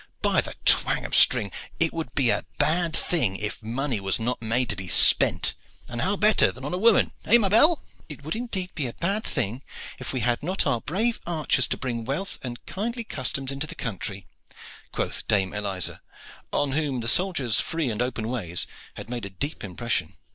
By the twang of string! it would be a bad thing if money was not made to be spent; and how better than on woman eh, ma belle?" "It would indeed be a bad thing if we had not our brave archers to bring wealth and kindly customs into the country," quoth Dame Eliza, on whom the soldier's free and open ways had made a deep impression.